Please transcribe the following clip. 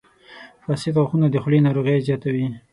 • فاسد غاښونه د خولې ناروغۍ زیاتوي.